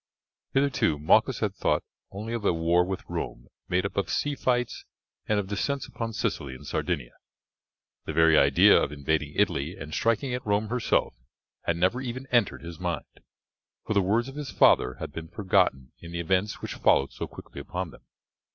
Hitherto Malchus had thought only of a war with Rome made up of sea fights and of descents upon Sicily and Sardinia. The very idea of invading Italy and striking at Rome herself had never even entered his mind, for the words of his father had been forgotten in the events which followed so quickly upon them.